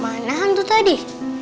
mana hantu tadi